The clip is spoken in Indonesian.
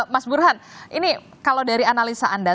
mas burhan ini kalau dari analisa anda